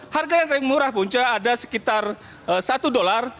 harga yang paling murah punca ada sekitar satu dolar